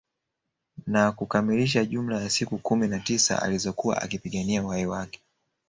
Na kukamiliaha jumla ya siku kumi na tisa alizokuwa akipigania uhai wake